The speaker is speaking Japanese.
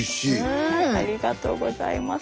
ありがとうございます。